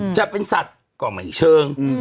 จะเป็นสัตว์ก็ไม่เชิง